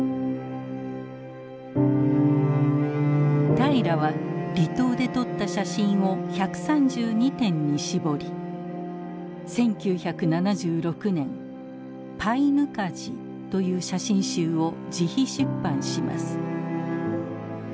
平良は離島で撮った写真を１３２点にしぼり１９７６年「パイヌカジ」という写真集を自費出版します。